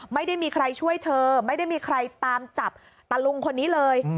ไม่ได้มีใครช่วยเธอไม่ได้มีใครตามจับตะลุงคนนี้เลย